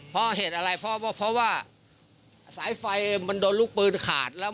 เพราะว่าสายไฟโดนลูกปืนขาด